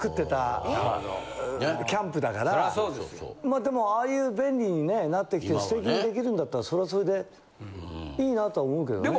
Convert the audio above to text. まあでもああいう便利にねなってきて素敵にできるんだったらそれはそれでいいなとは思うけどね。